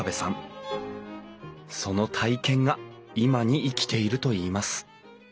その体験が今に生きているといいます